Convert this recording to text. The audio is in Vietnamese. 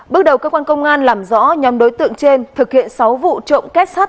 bước đầu cơ quan công an làm rõ nhóm đối tượng trên thực hiện sáu vụ trộm kết sắt